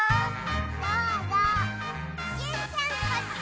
どうぞジュンちゃんこっち！